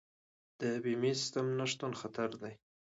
د بیمې سیستم نشتون خطر دی.